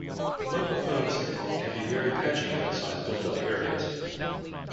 The mobile phone signal can be very patchy outside built-up areas